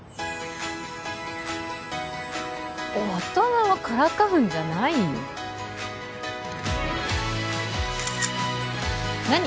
大人をからかうんじゃないよ何？